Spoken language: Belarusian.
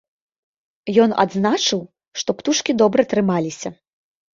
Ён адзначыў, што птушкі добра трымаліся.